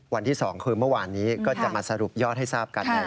วันที่๒คือเมื่อวานนี้ก็จะมาสรุปยอดให้ทราบกัน